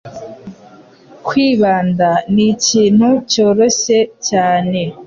Kwibanda ni ikintu cyoroshye cyane.